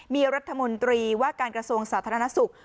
มีรัฐมนตรีว่าการกระทรวงสาธารณสุข